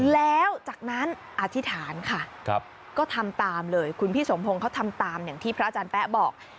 แล้วจากนั้นอธิษฐานค่ะก็ทำตามเลยคุณพี่สมพงศ์เขาทำตามอย่างที่พระอาจารย์แป๊ะบอก